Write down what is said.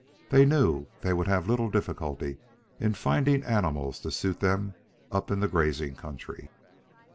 They knew they would have little difficulty in finding animals to suit them up in the grazing country.